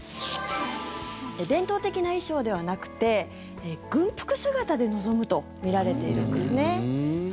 伝統的な衣装ではなくて軍服姿で臨むとみられているんですね。